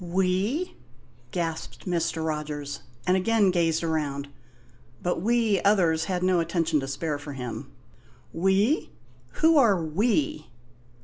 "We?" gasped Mr. Rogers, and again gazed around; but we others had no attention to spare for him. "We? Who are 'we'?"